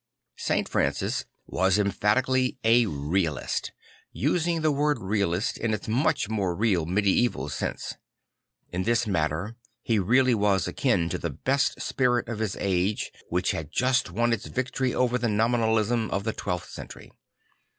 St. Francis was emphatically a realist, using the \,,"ord realist in its much more real medieval sense. In this matter he really was akin to the best spirit of his age, which had just won its victory over the nominalism of the twelfth century.